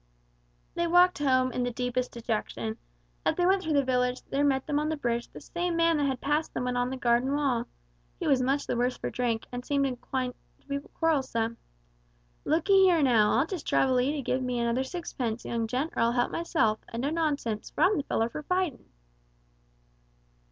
They walked home in the deepest dejection; as they went through the village there met them on the bridge the same man that had passed them when on the garden wall. He was much the worse for drink, and seemed inclined to be quarrelsome. "Look 'ee here now, I'll just trouble 'ee to give me another sixpence, young gent, or I'll help myself, and no nonsense, for I'm the feller for fightin'!"